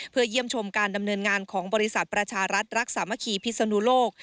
เพื่อเยี่ยมชมการดำเนินงานของบริษัทประชารัฐรักษามะคีพิศนุโลก